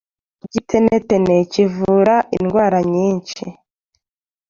Igitenetene kivura indwara nyishi.